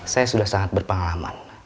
saya sudah sangat berpengalaman